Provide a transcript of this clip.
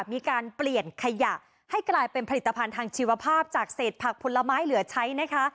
มีการเปลี่ยนขยะให้กลายเป็นผลิตภัณฑ์ทางชีวภาพจากเศษผักผลไม้เหลือใช้นะคะ